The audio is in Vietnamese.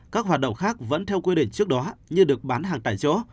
các hoạt động khác vẫn theo quy định trước đó như được bán hàng tại chỗ